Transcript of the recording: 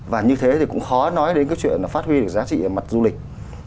và như thế thì cũng khó nói đến cái chuyện phát huy được giá trị ở mặt du lịch